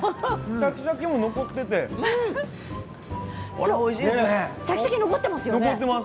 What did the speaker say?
シャキシャキ残っていますよね。